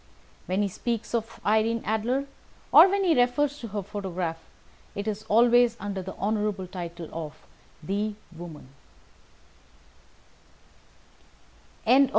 And when he speaks of Irene Adler, or when he refers to her photograph, it is always under the honourable title of the woman.